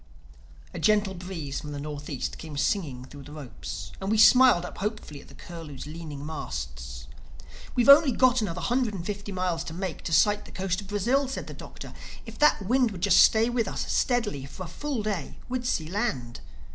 A gentle breeze from the Northeast came singing through the ropes; and we smiled up hopefully at the Curlew's leaning masts. "We've only got another hundred and fifty miles to make, to sight the coast of Brazil," said the Doctor. "If that wind would just stay with us, steady, for a full day we'd see land."